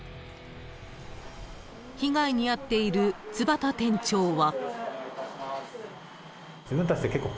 ［被害に遭っている津幡店長は］